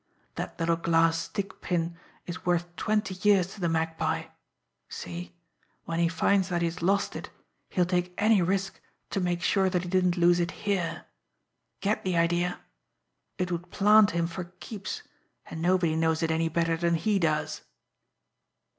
That little glass stick pin is worth twenty years to the Magpie. See? When he finds that he has lost it, he'll take any risk to make sure that he didn't lose it here. Get the idea? It would plant him for keeps, and nobody knows it any better than he does."